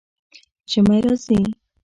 ژمی راځي